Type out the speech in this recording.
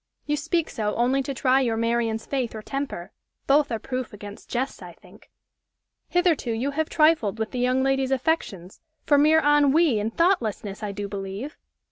You speak so only to try your Marian's faith or temper both are proof against jests, I think. Hitherto you have trifled with the young lady's affections for mere ennui and thoughtlessness, I do believe!